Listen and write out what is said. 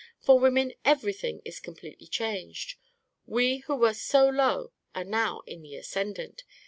"For women everything is completely changed. We who were so low are now in the ascendant.